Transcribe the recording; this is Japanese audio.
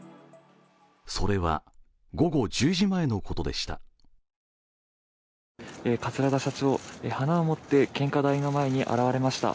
それは午後１０時前のことでした。